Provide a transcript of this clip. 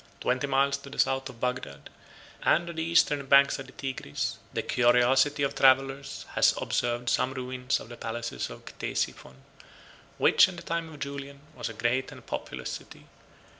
65 Twenty miles to the south of Bagdad, and on the eastern bank of the Tigris, the curiosity of travellers has observed some ruins of the palaces of Ctesiphon, which, in the time of Julian, was a great and populous city.